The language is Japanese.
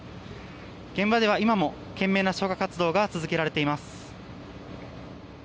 現場では今も懸命な消火活動が続けられています。